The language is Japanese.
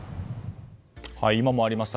今もありました